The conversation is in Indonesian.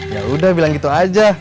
yaudah bilang gitu aja